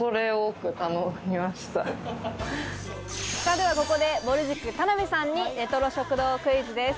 ではここで、ぼる塾・田辺さんにレトロ食堂クイズです。